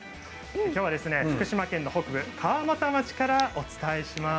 今日は福島県の北部川俣町からお伝えします。